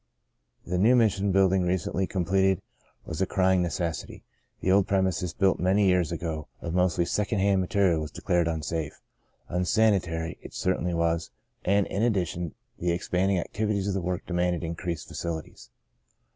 The new Mission building recently com pleted was a crying necessity. The old premises built many years ago of mostly sec ond hand material was declared unsafe. Un sanitary it certainly was and, in addition, the expanding activities of the work demanded increased facilities.